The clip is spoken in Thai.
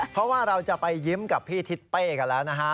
เพราะว่าเราจะไปยิ้มกับพี่ทิศเป้กันแล้วนะฮะ